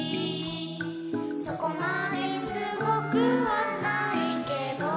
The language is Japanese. そこまですごくはないけど」